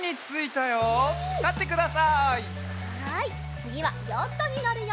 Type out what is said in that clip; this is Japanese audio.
つぎはヨットにのるよ。